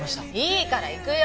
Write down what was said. いいから行くよ！